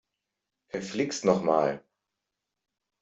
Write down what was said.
Verflixt noch mal!